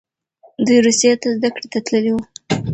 دوی روسیې ته زده کړې ته تللي وو.